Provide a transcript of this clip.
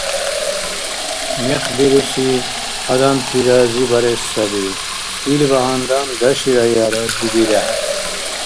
– Мекъ бируси – адамти разибарес саби. Илбагьандан, даширая, разидирехӀе.